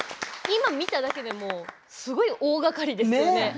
今見ただけでもすごい大がかりですね。